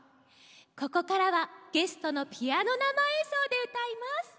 ここからはゲストのピアノなまえんそうでうたいます。